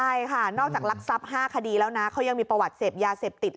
ใช่ค่ะนอกจากลักทรัพย์๕คดีแล้วนะเขายังมีประวัติเสพยาเสพติด